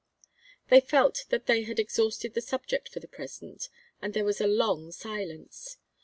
They felt that they had exhausted the subject for the present and there was a long silence.